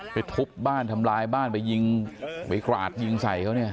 ทุบบ้านทำลายบ้านไปยิงไปกราดยิงใส่เขาเนี่ย